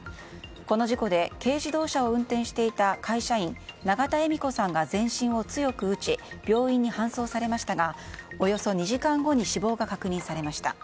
この事故で軽自動車を運転していた会社員、永田恵美子さんが全身を強く打ち病院に搬送されましたがおよそ２時間後に死亡が確認されました。